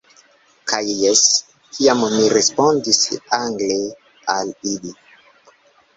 Kaj jes, kiam mi respondis angle al ili.